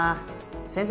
先生